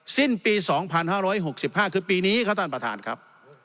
สิ้นปี๒๕๖๕คือปีนี้ครับท่านประธานครับ